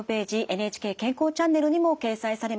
「ＮＨＫ健康チャンネル」にも掲載されます。